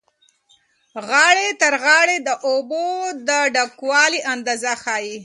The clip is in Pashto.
غاړې تر غاړې د اوبو د ډکوالي اندازه ښیي.